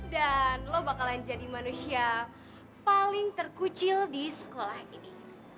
dan lo bakalan jadi manusia paling terkucil di sekolah ini